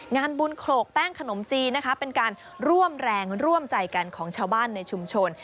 งานบุญโขลกแป้งขนมจีนนะคะเป็นการร่วมแรงร่วมใจกันของชาวบ้านในชุมชน